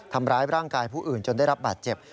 ทำร้ายร่างกายผู้อื่นจนได้รับบาดเจ็บ